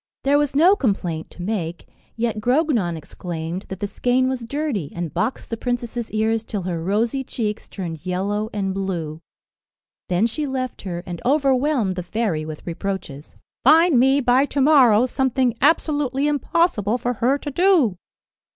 There was no complaint to make, yet Grognon exclaimed that the skein was dirty, and boxed the princess's ears till her rosy cheeks turned yellow and blue. Then she left her, and overwhelmed the fairy with reproaches. "Find me, by to morrow, something absolutely impossible for her to do."